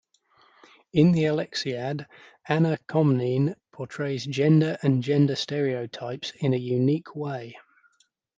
In the "Alexiad", Anna Komnene portrays gender and gender stereotypes in a unique way.